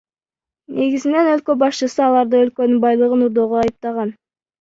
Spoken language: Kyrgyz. Негизинен өлкө башчысы аларды өлкөнүн байлыгын урдоого айыптаган.